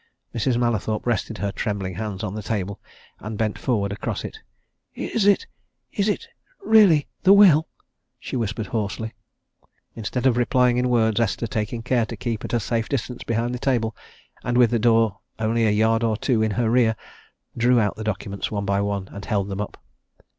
Mrs. Mallathorpe rested her trembling hands on the table and bent forward across it. "Is it is it really the will?" she whispered hoarsely. Instead of replying in words, Esther, taking care to keep at a safe distance behind the table, and with the door only a yard or two in her rear, drew out the documents one by one and held them up.